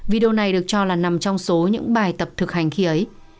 video này được cho là nằm trong số những bài tập thực hành khi ấy